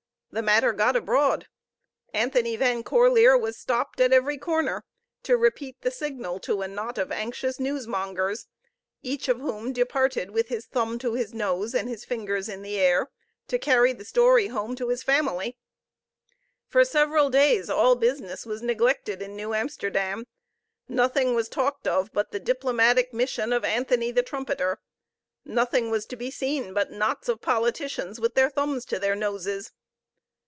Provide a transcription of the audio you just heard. The matter got abroad; Anthony Van Corlear was stopped at every corner to repeat the signal to a knot of anxious newsmongers, each of whom departed with his thumb to his nose and his fingers in the air, to carry the story home of his family. For several days all business was neglected in New Amsterdam; nothing was talked of but the diplomatic mission of Anthony the Trumpeter, nothing was to be seen but knots of politicians with their thumbs to their noses.